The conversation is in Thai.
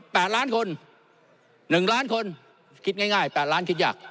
แปดล้านคนหนึ่งล้านคนคิดง่ายง่ายแปดล้านคิดยาก